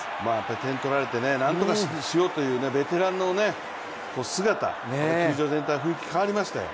点を取られて、なんとかしようというベテランの姿、この球場全体、雰囲気変わりましたよ。